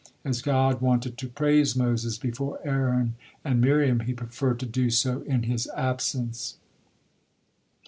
As God wanted to praise Moses before Aaron and Miriam, He preferred to do so in his absence.